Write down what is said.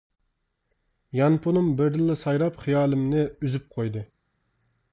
يانفونۇم بىردىنلا سايراپ خىيالىمنى ئۈزۈپ قويدى.